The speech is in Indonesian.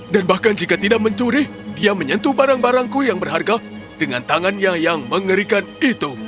dan bahkan jika tidak mencuri dia menyentuh barang barangku yang berharga dengan tangannya yang mengerikan itu